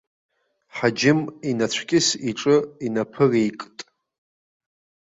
Ҳаџьым инацәкьыс иҿы инаԥыреикт.